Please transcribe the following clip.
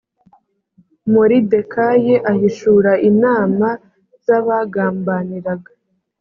moridekayi ahishura inama z abagambaniraga